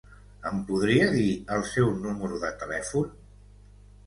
Em podria dir el seu número de telèfon?